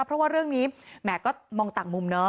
เพราะว่าเรื่องนี้แหมก็มองต่างมุมเนาะ